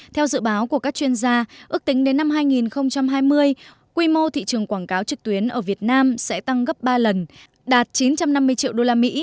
theo dự báo của các chuyên gia ước tính đến năm hai nghìn hai mươi quy mô thị trường quảng cáo trực tuyến ở việt nam sẽ tăng gấp ba lần đạt chín trăm năm mươi triệu usd